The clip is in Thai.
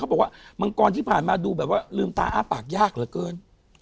บอกว่ามังกรที่ผ่านมาดูแบบว่าลืมตาอ้าปากยากเหลือเกิน